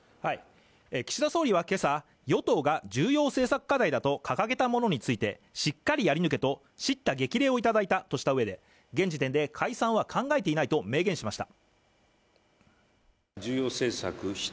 岸田総理は今朝与党が重要政策課題だと掲げたものについてしっかりやり抜けと叱咤激励をいただいたとした上で、現時点で解散は考えていないと明言しました。